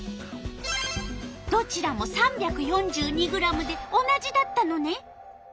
どちらも３４２ｇで同じだったのね。